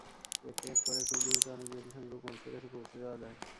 এতে করে খুব দ্রুত অনেক বেশি সংখ্যক মানুষের কাছে পৌঁছে যাওয়া যায়।